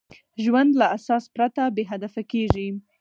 ژوند له اساس پرته بېهدفه کېږي.